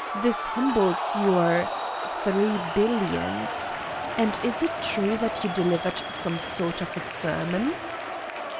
This humbles your ... three billions. And is it true that you delivered some sort of a sermon?"